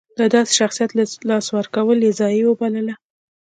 د داسې شخصیت له لاسه ورکول یې ضایعه وبلله.